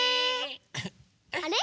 あれ？